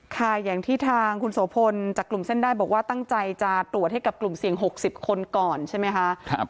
ค่ะอย่างที่ทางคุณโสพลจากกลุ่มเส้นได้บอกว่าตั้งใจจะตรวจให้กับกลุ่มเสี่ยง๖๐คนก่อนใช่ไหมคะ